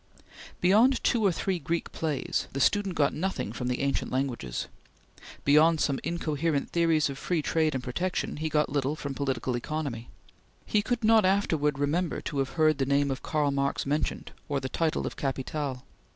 Beyond two or three Greek plays, the student got nothing from the ancient languages. Beyond some incoherent theories of free trade and protection, he got little from Political Economy. He could not afterwards remember to have heard the name of Karl Marx mentioned, or the title of "Capital."